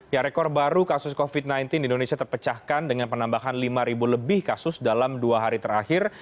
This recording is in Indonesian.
ya rekor baru kasus covid sembilan belas di indonesia terpecahkan dengan penambahan lima lebih kasus dalam dua hari terakhir